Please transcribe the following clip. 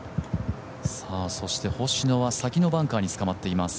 そして星野は先のバンカーにつかまっています。